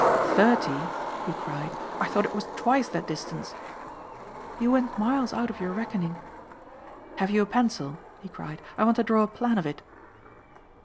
"Thirty!" he cried, "I thought it was twice that distance." "You went miles out of your reckoning." "Have you a pencil?" he cried. "I want to draw a plan of it."